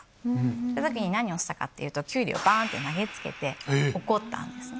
その時に何をしたかっていうときゅうりをバンって投げ付けて怒ったんですね。